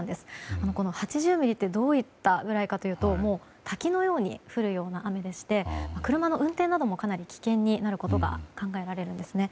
８０ミリってどのぐらいかというと滝のように降るような雨でして車の運転などもかなり危険になることが考えられるんですね。